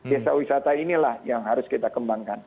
desa wisata inilah yang harus kita kembangkan